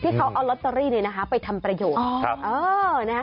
เขาเอาลอตเตอรี่ไปทำประโยชน์